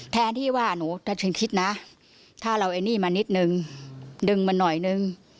แทนที่ว่าหนูจะถึงคิดนะถ้าเราไอ้นี่มานิดนึงดึงมาหน่อยนึง